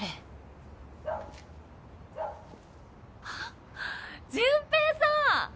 あっ淳平さん。